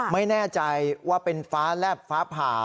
ไม่แน่ใจว่าเป็นฟ้าแลบฟ้าผ่า